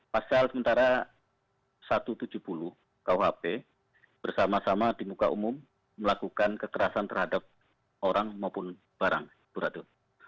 pasal sementara satu ratus tujuh puluh kuhp bersama sama di muka umum melakukan kekerasan terhadap orang maupun barang ibu ratu